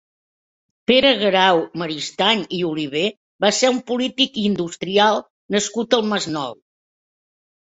Pere Guerau Maristany i Oliver va ser un polític i industrial nascut al Masnou.